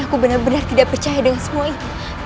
aku benar benar tidak percaya dengan semua itu